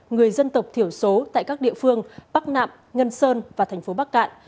người dân tộc thiểu số tại các địa phương bắc nạm ngân sơn và thành phố bắc cạn